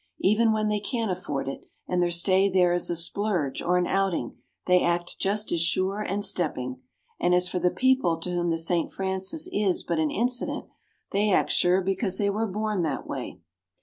Even when they can't afford it, and their stay there is a splurge or an outing, they act just as sure and stepping. And as for the people to whom the St. Francis is but an incident they act sure because they were born that way.